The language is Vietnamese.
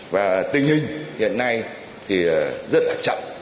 và tình hình hiện nay thì rất là chậm